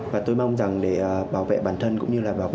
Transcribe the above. và tôi mong rằng để bảo vệ bản thân cũng như là bảo vệ người dân